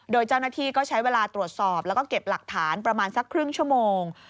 โดยเจ้าหน้าที่ก็ใช้เวลาตรวจสอบแล้วก็เก็บหลักฐานประมาณสักครึ่งชั่วโมง